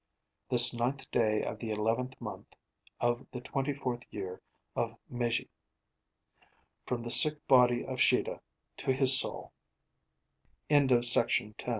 'This ninth day of the eleventh month of the twenty fourth year of Meiji. 'From the sick body of Shida to his Soul.' Sec. 19 September 4, 1891. The l